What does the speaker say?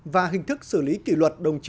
và hình thức xử lý kỷ luật